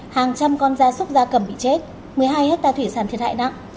hàng trăm con da súc da cầm bị chết một mươi hai hectare thủy sản thiệt hại nặng